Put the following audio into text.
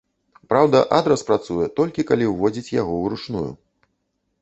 Праўда, адрас працуе, толькі калі уводзіць яго уручную.